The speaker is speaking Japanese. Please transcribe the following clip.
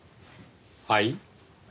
はい？